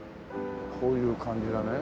こういう感じだね。